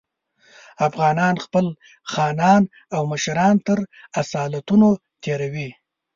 افغانان خپل خانان او مشران تر اصالتونو تېروي.